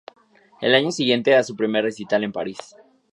El año siguiente da su primer recital en París.